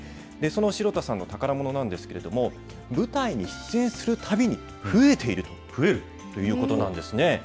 その城田さんの宝ものなんですけれども、舞台に出演するたびに増えているということなんですね。